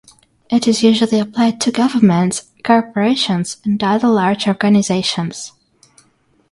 It is usually applied to governments, corporations, and other large organizations.